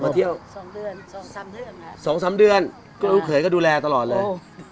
มาเที่ยว๒๓เดือนลูกเคยก็ดูแลตลอดเลย